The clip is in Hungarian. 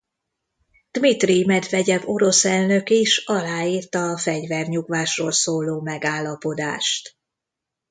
Dmitrij Medvegyev orosz elnök is aláírta a fegyvernyugvásról szóló megállapodást.